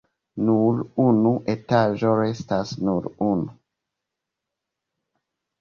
Nur unu etaĝo restas! Nur unu.